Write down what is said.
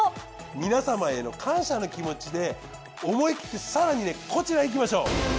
皆様への感謝の気持ちで思い切って更にこちらいきましょう。